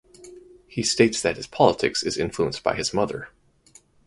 He states that his politics is influenced by his mother.